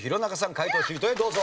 解答シートへどうぞ。